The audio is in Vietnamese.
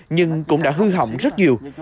nhưng cũng đã hư hỏng rất nhiều